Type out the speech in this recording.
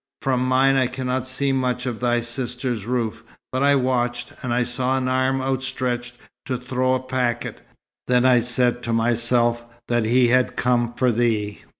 From mine, I cannot see much of thy sister's roof, but I watched, and I saw an arm outstretched, to throw a packet. Then I said to myself that he had come for thee.